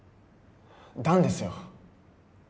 弾ですよ